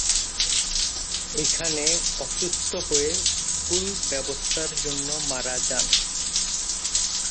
এখানে অসুস্থ হয়ে ভুল ব্যবস্থার জন্য মারা যান।